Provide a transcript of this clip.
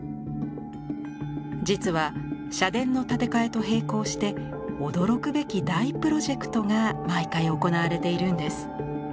実は社殿の建て替えと並行して驚くべき大プロジェクトが毎回行われているんです。